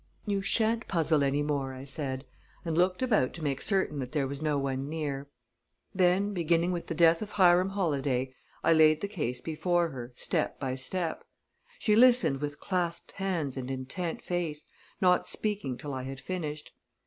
"You shan't puzzle any more," I said, and looked about to make certain that there was no one near. Then, beginning with the death of Hiram Holladay, I laid the case before her, step by step. She listened with clasped hands and intent face, not speaking till I had finished.